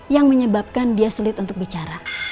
yang menyebabkan dia sulit untuk bicara